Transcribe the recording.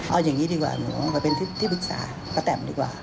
เอาอย่างนี้ดีกว่าหนูไปเป็นที่ปรึกษาป้าแตมดีกว่า